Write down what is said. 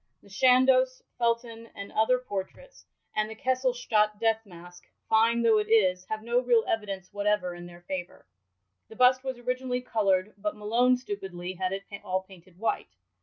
The Chandos, Felton, and other portraits,^ and the Kesselstadt death mask— fine though it is — hfive no real evidence whatever in their favour. The bust was originally colourd, but Malone stupidly had it all painted white.